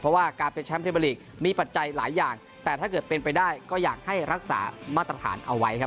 เพราะว่าการเป็นแชมป์เทเบอร์ลีกมีปัจจัยหลายอย่างแต่ถ้าเกิดเป็นไปได้ก็อยากให้รักษามาตรฐานเอาไว้ครับ